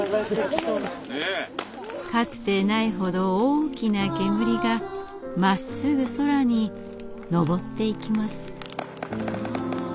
かつてないほど大きな煙がまっすぐ空に上っていきます。